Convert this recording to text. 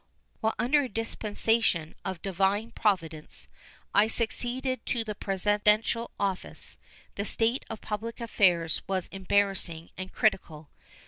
When, under a dispensation of Divine Providence, I succeeded to the presidential office, the state of public affairs was embarrassing and critical.